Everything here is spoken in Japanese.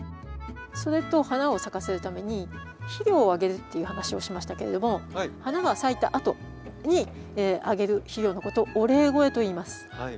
それと花を咲かせるために肥料をあげるっていう話をしましたけれども花が咲いたあとにあげる肥料のことをお礼肥といいます。